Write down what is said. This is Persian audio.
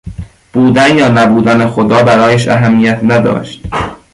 بودن یا نبودن خدا برایش اهمیت نداشت.